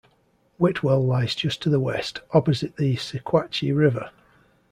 Whitwell lies just to the west, opposite the Sequatchie River.